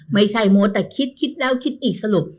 ไม่ใช่มัวแต่คิดคิดแล้วคิดอีกสรุป